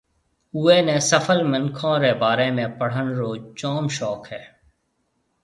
اوئيَ نيَ سڦل منکون رَي بارَي ۾ پڙھڻ رو جوم شوق ھيََََ